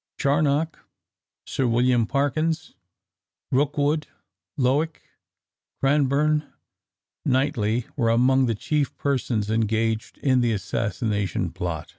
Charnock, Sir William Parkyns, Rookwood, Lowick, Cranburn, Knightley were among the chief persons engaged in the assassination plot.